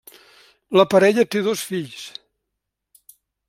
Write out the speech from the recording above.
La parella té dos fills.